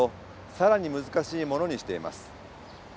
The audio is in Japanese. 更に難しいものにしています。